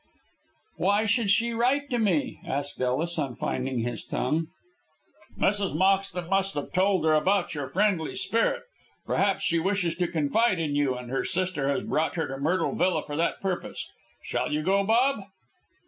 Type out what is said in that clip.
"Why should she write to me?" asked Ellis, on finding his tongue. "Mrs. Moxton must have told her about your friendly spirit. Perhaps she wishes to confide in you, and her sister has brought her to Myrtle Villa for that purpose. Shall you go, Bob?"